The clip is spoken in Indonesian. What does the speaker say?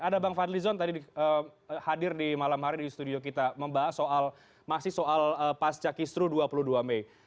ada bang fadli zon tadi hadir di malam hari di studio kita membahas soal masih soal pasca kisru dua puluh dua mei